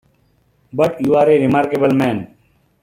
But you are a remarkable man.